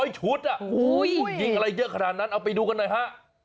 ชุดยิงอะไรเยอะขนาดนั้นเอาไปดูกันหน่อยฮะ